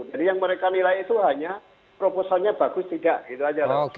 jadi yang mereka nilai itu hanya proposalnya bagus tidak